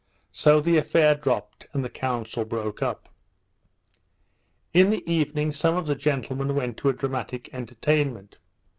So the affair dropt, and the council broke up. In the evening, some of the gentlemen went to a dramatic entertainment.